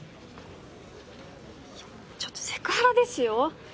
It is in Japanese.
ちょっとセクハラですよ。